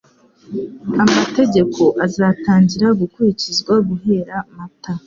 Amategeko azatangira gukurikizwa guhera Mata.